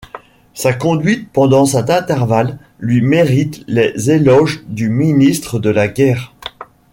Sa conduite pendant cet intervalle lui mérite les éloges du ministre de la guerre.